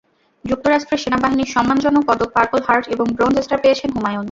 যুক্তরাষ্ট্রের সেনাবাহিনীর সম্মানজনক পদক পার্পল হার্ট এবং ব্রোঞ্জ স্টার পেয়েছেন হুমায়ুন।